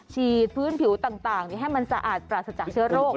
ฉีดพื้นผิวต่างให้มันสะอาดปราศจากเชื้อโรค